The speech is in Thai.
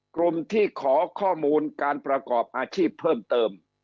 กลุ่มที่ขอข้อมูลการประกอบอาชีพเพิ่มเติม